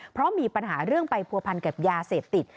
เพราะมีปัญหาเรื่องไปผัวพันกับยาเสพติด